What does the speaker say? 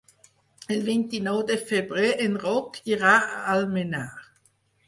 El vint-i-nou de febrer en Roc irà a Almenar.